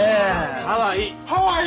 ハワイ！